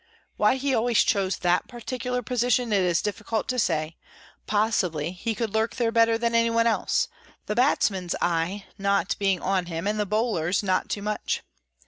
Why he always chose that particular position it is difficult to say; possibly he could lurk there better than anywhere else, the batsman's eye not being on him, and the bowler's not too much.